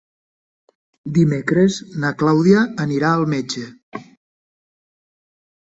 Dimecres na Clàudia anirà al metge.